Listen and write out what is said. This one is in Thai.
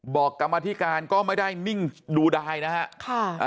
กรรมธิการก็ไม่ได้นิ่งดูดายนะฮะ